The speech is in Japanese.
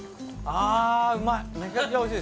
あうまい